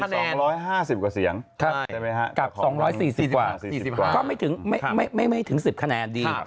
มี๒๕๐กว่าเสียงกับ๒๔๐กว่าก็ไม่ถึง๑๐คะแนนดี